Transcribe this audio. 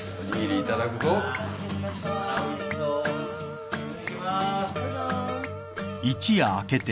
いただきます。